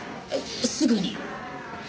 すぐに。